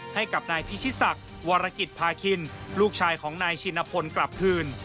ให้กับนายพิชิศักดิ์วรกิจพาคินลูกชายของนายชินพลกลับคืน